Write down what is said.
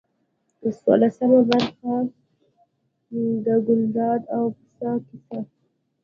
څوارلسمه برخه د ګلداد او پسه کیسه.